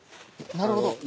なるほど。